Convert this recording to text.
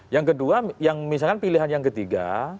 yang kedua yang misalkan pilihan yang ketiga